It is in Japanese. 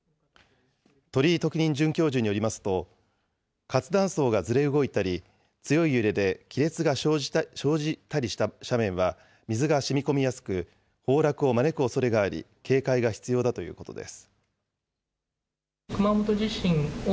鳥井特任准教授によりますと、活断層がずれ動いたり、強い揺れで亀裂が生じたりした斜面は水がしみこみやすく、崩落を招くおそれがあり、警戒が必要だということです。